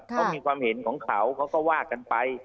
ก็มีความเห็นของเขาก็วากกันไป